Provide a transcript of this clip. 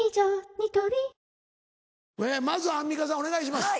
ニトリまずはアンミカさんお願いします。